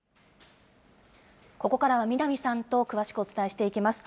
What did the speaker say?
ここからは南さんと詳しくお伝えしていきます。